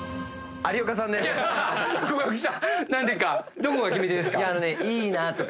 どこが決め手ですか？